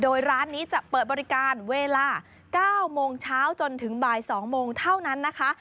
โดยร้านนี้จะเปิดบริการเวลา๙โมงเช้าจนถึงบ่าย๒โมงเท่านั้นนะคะ